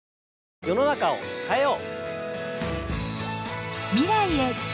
世の中を変えよう。